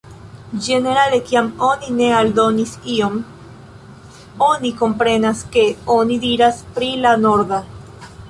Ĝenerale, kiam oni ne aldonis ion, oni komprenas ke oni diras pri la "norda".